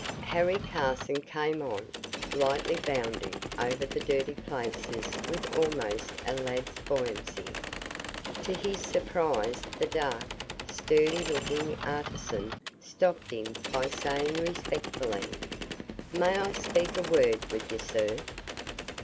Harry Carson came on, lightly bounding over the dirty places with almost a lad's buoyancy. To his surprise the dark, sturdy looking artisan stopped him by saying respectfully, "May I speak a word wi' you, sir?"